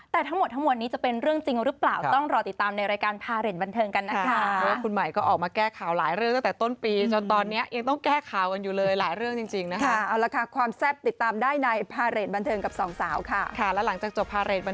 แต่ทั้งหมดนี้จะเป็นเรื่องจริงหรือเปล่า